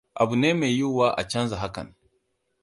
Abu ne mai yuwuwa a canza hakan.